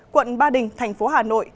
quận ba đình thành phố hà nội